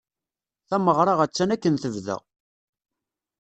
Tameɣra attan akken tebda.